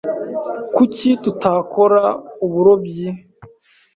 Kuki tutakora uburobyi?